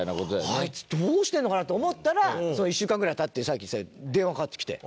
あいつどうしてるのかな？と思ったら１週間ぐらい経ってさっき言ってたけど電話かかってきて。